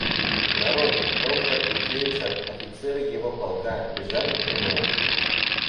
Народ, доктор и фельдшер, офицеры его полка, бежали к нему.